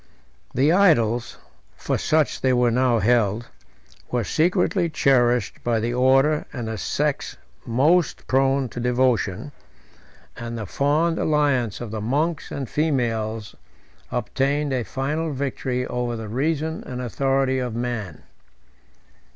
The idols (for such they were now held) were secretly cherished by the order and the sex most prone to devotion; and the fond alliance of the monks and females obtained a final victory over the reason and authority of man.